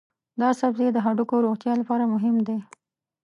دا سبزی د هډوکو د روغتیا لپاره مهم دی.